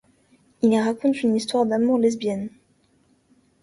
Il raconte une histoire d'amour lesbienne.